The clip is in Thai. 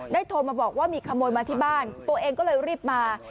โทรมาบอกว่ามีขโมยมาที่บ้านตัวเองก็เลยรีบมา